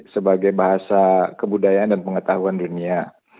sebagai bahasa kebudayaan dan pengetahuan dunia